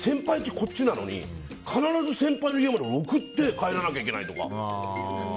こっちなのに必ず先輩の家まで送って帰らなきゃいけないとか。